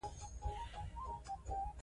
دوی په خپلو سیمو کې د اعتماد فضا پیاوړې کوي.